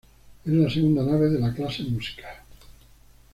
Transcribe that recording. Es la segunda nave de la clase Musica.